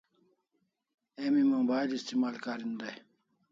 Emi mobile istimal karin dai